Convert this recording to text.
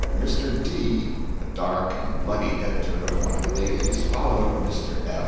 Mr. D., a dark and bloody editor of one of the dailies, followed Mr. F.